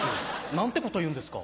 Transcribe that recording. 何てこと言うんですか。